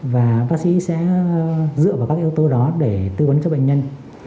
và bác sĩ sẽ dựa vào các yếu tố đó để tư vấn cho bệnh nhân